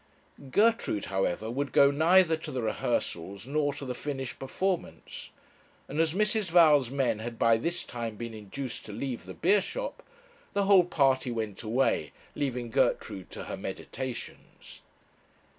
Gertrude, however, would go neither to the rehearsals nor to the finished performance; and as Mrs. Val's men had by this time been induced to leave the beershop, the whole party went away, leaving Gertrude to her meditations.